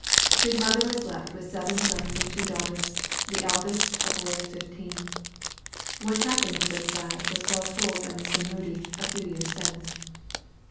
His mother was left with seven sons and two daughters, the eldest a boy only fifteen. What happened to this lad was well told by Mr. Moody, a few years since.